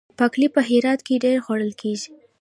باقلي په هرات کې ډیر خوړل کیږي.